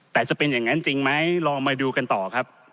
แต่จะเป็นอย่างนั้นจริงไหมลองมาดูกันต่อครับ